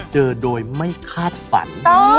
เจอโดยไม่คาดฝัน